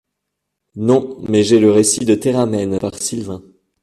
Non ! mais j'ai le récit de Théramène par Silvain.